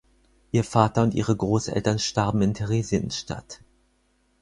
Ihr Vater und ihre Großeltern starben in Theresienstadt.